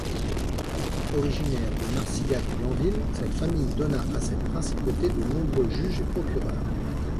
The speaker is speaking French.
Originaire de Marcillac-Lanville, cette famille donna à cette principauté de nombreux juges et procureurs.